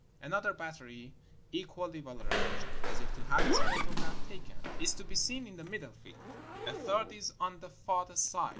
Another battery, equally well arranged, as if to have its photograph taken, is to be seen in the middle field; a third is on the farther side.